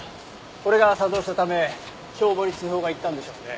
これが作動したため消防に通報が行ったんでしょうね。